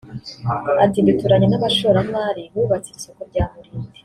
Ati “Duturanye n’abashoramari bubatse iri soko rya Mulindi